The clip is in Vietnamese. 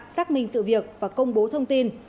xác minh sự việc và công bố thông tin